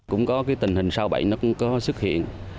cũng có tình hình sâu bệnh nó có xuất hiện